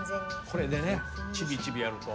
これでねちびちびやると。